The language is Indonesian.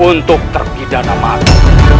untuk terpidana mati